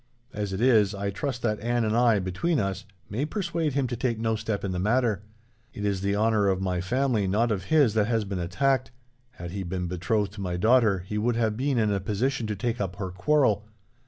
As it is, I trust that Anne and I, between us, may persuade him to take no step in the matter. It is the honour of my family, not of his, that has been attacked. Had he been betrothed to my daughter, he would have been in a position to take up her quarrel.